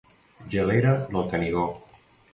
Gelera del Canigó.